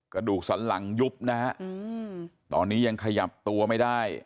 กระดูกสันหลังยุบนะฮะตอนนี้ยังขยับตัวไม่ได้